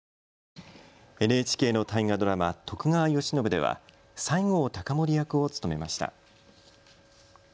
ＮＨＫの大河ドラマ、徳川慶喜では西郷隆盛役を務めました。